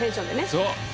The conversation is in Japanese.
そう！